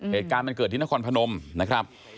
เหตุการณ์มันเกิดที่นครพนมนะครับ